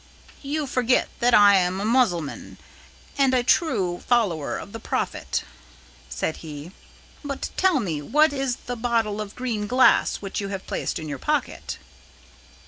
"You forget that I am a Mussulman, and a true follower of the Prophet," said he. "But tell me what is the bottle of green glass which you have placed in your pocket?"